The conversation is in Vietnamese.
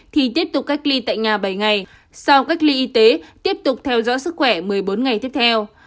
thì tiếp tục cách ly tại nhà bảy ngày sau cách ly y tế tiếp tục theo dõi sức khỏe một mươi bốn ngày tiếp theo